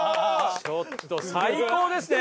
ちょっと最高ですね！